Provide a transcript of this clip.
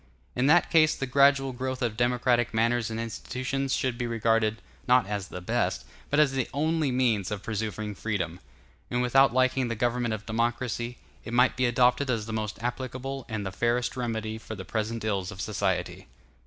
In that case, the gradual growth of democratic manners and institutions should be regarded, not as the best, but as the only means of preserving freedom; and without liking the government of democracy, it might be adopted as the most applicable and the fairest remedy for the present ills of society.